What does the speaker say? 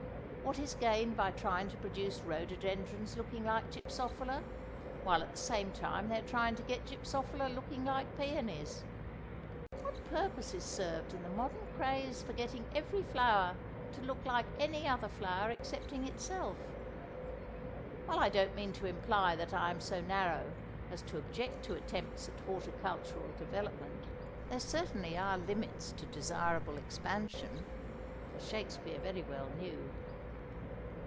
What is gained by trying to produce rhododendrons looking like gypsophila, while at the same time they are trying to get gypsophila looking like pæonies? What purpose is served in the modern craze for getting every flower to look like any other flower excepting itself? While I don't mean to imply that I am so narrow as to object to attempts at horticultural development, there certainly are limits to desirable expansion—as Shakespeare very well knew.